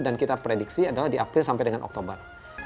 dan kita prediksi adalah di april sampai dengan oktober